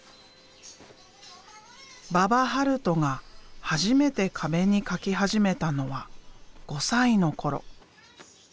馬場悠斗が初めて壁に描き始めたのは５歳の頃。